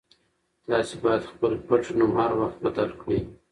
تاسي باید خپل پټنوم هر وخت بدل کړئ.